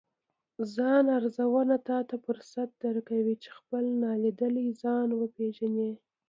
ځان ارزونه تاته فرصت درکوي، چې خپل نالیدلی ځان وپیژنې